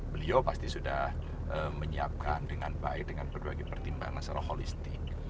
beliau pasti sudah menyiapkan dengan baik dengan berbagai pertimbangan secara holistik